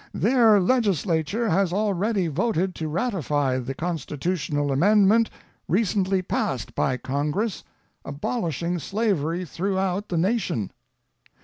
Their Legislature has already voted to ratify the constitutional amendment recently passed by Congress, abolishing slavery throughout the nation.